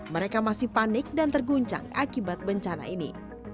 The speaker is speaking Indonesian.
mereka masih panik dan terguncang akibat bencana ini